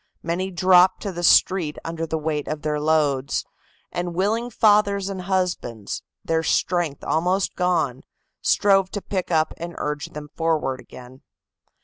Many dropped to the street under the weight of their loads, and willing fathers and husbands, their strength almost gone, strove to pick up and urge them forward again.